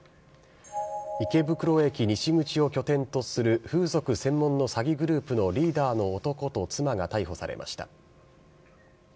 池袋駅西口を拠点とする風俗専門の詐欺グループのリーダーの男と妻が逮捕されました。